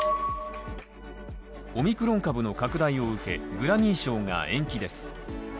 オミクロン株の拡大を受け、グラミー賞が延期です。